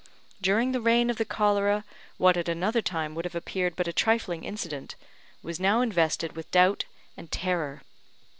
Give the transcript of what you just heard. During the reign of the cholera, what at another time would have appeared but a trifling incident, was now invested with doubt and terror.